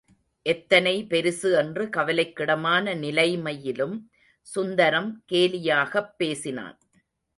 எத்தனை பெரிசு என்று கவலைக்கிடமான நிலைமையிலும் சுந்தரம் கேலியாகப் பேசினான்.